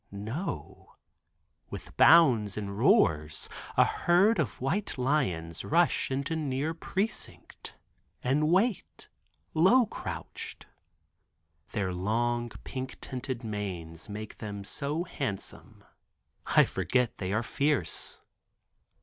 No; with bounds and roars a herd of white lions rush into near precinct and wait, low crouched. Their long pink tinted manes make them so handsome I forget they are fierce.